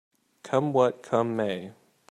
Come what come may